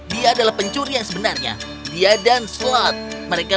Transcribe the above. dia juga lakukan bunyi bunyi yang menyalahkan ter evu